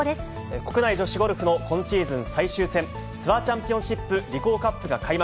国内女子ゴルフの今シーズン最終戦、ツアーチャンピオンシップリコーカップが開幕。